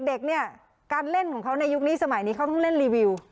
เด็กเนี่ยการเล่นของเขาในยุคนี้สมัยนี้เขาต้องเล่นรีวิว